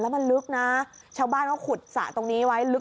มันลึกนะชาวบ้านเขาขุดสระตรงนี้ไว้ลึก